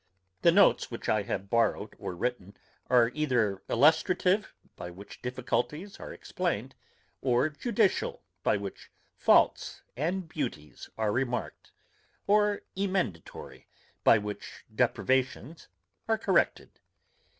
The notes which I have borrowed or written are either illustrative, by which difficulties are explained; or judicial by which faults and beauties are remarked; or emendatory, by which depravations are corrected.